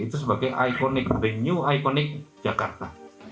itu sebagai ikonik the new ikonik jakarta